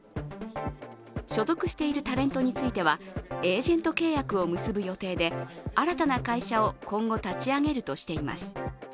所属しているタレントについては、エージェント契約を結ぶ予定で新たな会社を今後、立ち上げるとしています。